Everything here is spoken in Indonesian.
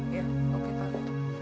iya oke pak